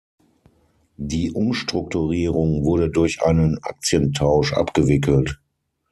Die Umstrukturierung wurde durch einen Aktientausch abgewickelt.